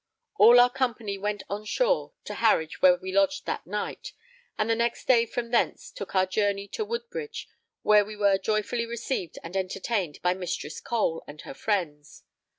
All our company went on shore to Harwich, where we lodged that night, and the next day from thence took our journey to Woodbridge, where we were joyfully received and entertained by Mistress Cole and her friends.